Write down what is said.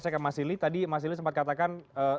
saya ke mas sili tadi mas silly sempat katakan